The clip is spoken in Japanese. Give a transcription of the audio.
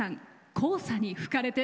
「黄砂に吹かれて」。